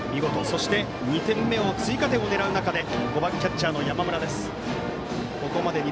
そして２点目、追加点を狙う中で５番、キャッチャーの山村。